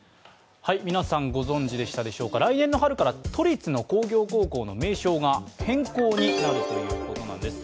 皆さんご存じでしたでしょうか来年の春から都立の工業高校の名称が変更になるということです。